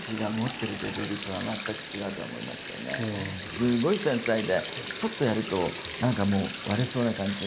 すごい繊細でちょっとやると何かもう割れそうな感じ。